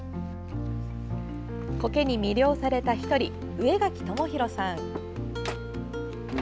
コケに魅了された１人上垣智弘さん。